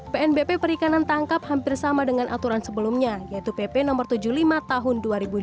pnbp perikanan tangkap hampir sama dengan aturan sebelumnya yaitu pp no tujuh puluh lima tahun dua ribu lima belas